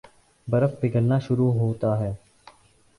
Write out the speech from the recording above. برف پگھلنا شروع ہوتا ہے